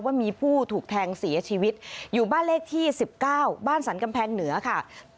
ว่ามีผู้ถูกแทงเสียชีวิตอยู่บ้านเลขที่๑๙บ้านสรรกำแพงเหนือค่ะ